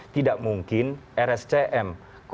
tidak mungkin rscm